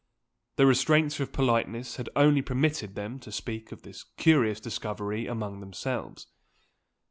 The restraints of politeness had only permitted them to speak of this curious discovery among themselves.